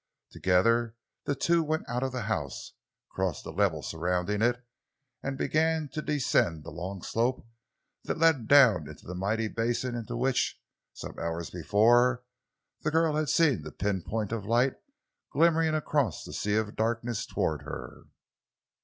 Together the two went out of the house, crossed the level surrounding it, and began to descend the long slope that led down into the mighty basin in which, some hours before, the girl had seen the pin point of light glimmering across the sea of darkness toward her.